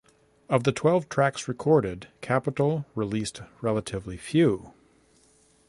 Of the twelve tracks recorded, Capitol released relatively few.